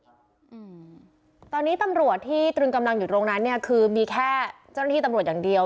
อืมตอนนี้ตำรวจที่ตรึงกำลังอยู่ตรงนั้นเนี่ยคือมีแค่เจ้าหน้าที่ตำรวจอย่างเดียว